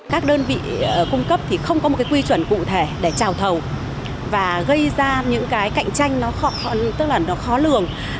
các đơn vị cung cấp thì không có một quy chuẩn cụ thể để trào thầu và gây ra những cái cạnh tranh nó khó lường